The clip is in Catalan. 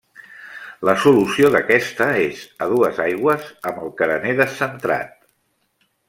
La solució d'aquesta és a dues aigües amb el carener descentrat.